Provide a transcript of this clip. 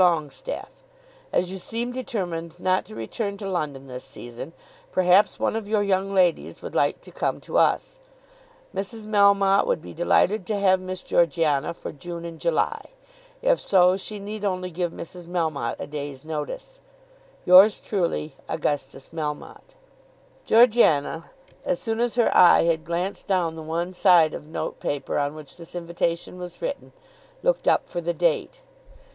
LONGESTAFFE, As you seem determined not to return to London this season, perhaps one of your young ladies would like to come to us. Mrs. Melmotte would be delighted to have Miss Georgiana for June and July. If so, she need only give Mrs. Melmotte a day's notice. Yours truly, AUGUSTUS MELMOTTE. Georgiana, as soon as her eye had glanced down the one side of note paper on which this invitation was written, looked up for the date.